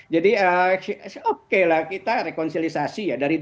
jadi oke lah kita rekonsilisasi ya